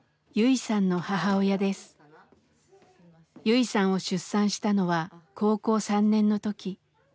ユイさんを出産したのは高校３年の時。